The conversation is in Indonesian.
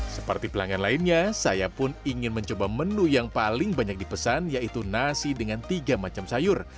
seperti pelanggan lainnya saya pun ingin mencoba menu yang paling banyak dipesan yaitu nasi dengan tiga macam sayur